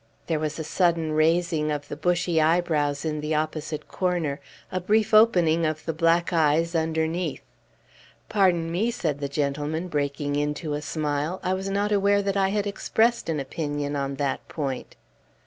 There was a sudden raising of the bushy eyebrows in the opposite corner, a brief opening of the black eyes underneath. "Pardon me," said the gentleman, breaking into a smile; "I was not aware that I had expressed an opinion on that point."